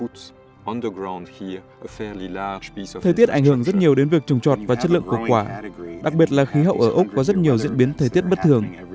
thời tiết ảnh hưởng rất nhiều đến việc trồng trọt và chất lượng của quả đặc biệt là khí hậu ở úc có rất nhiều diễn biến thời tiết bất thường